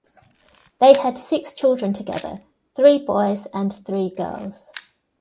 They had six children together, three boys and three girls.